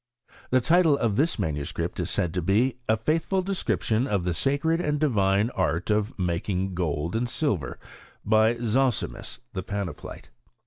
* The title of this manuscript is said to be "A faithful Descrip tion of the sacred and divine Art of making Gold and Silver, by Zosimus, the Panapolite."